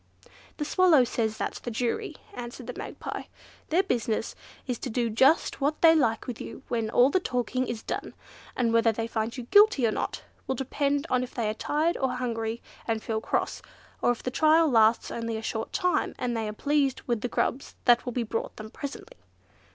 "The Swallow says that's the jury," answered the Magpie. "Their business is to do just what they like with you when all the talking is done, and whether they find you guilty or not, will depend on if they are tired, or hungry, and feel cross; or if the trial lasts only a short time, and they are pleased with the grubs that will be brought them presently."